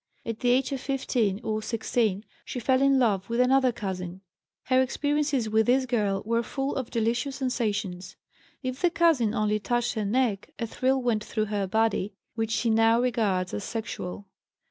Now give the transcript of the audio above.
At the age of 15 or 16 she fell in love with another cousin; her experiences with this girl were full of delicious sensations; if the cousin only touched her neck, a thrill went through her body which she now regards as sexual.